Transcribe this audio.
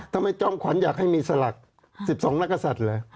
ทำไมจ้องขวัญอยากให้มีสลัก๑๒นักศัตริย์แหละ